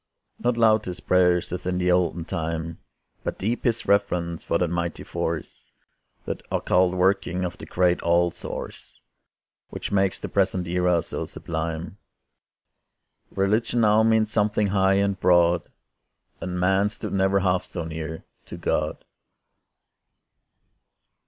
Not loud his prayers, as in the olden time, But deep his reverence for that mighty force, That occult working of the great All Source, Which makes the present era so sublime. Religion now means something high and broad. And man stood never half so near to God.